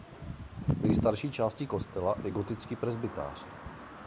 Nejstarší částí kostela je gotický presbytář.